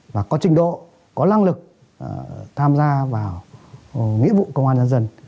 và có trình độ có năng lực tham gia vào nghĩa vụ công an nhân dân